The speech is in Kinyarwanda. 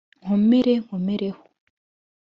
nkomere nkomereho